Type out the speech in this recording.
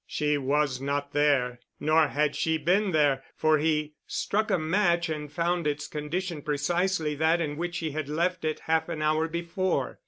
She was not there, nor had she been there, for he struck a match and found its condition precisely that in which he had left it half an hour before.